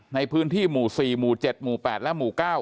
ในพื้นที่หมู่๔หมู่๗หมู่๘และหมู่๙